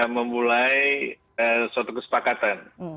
memulai suatu kesepakatan